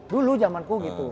dulu jaman ku gitu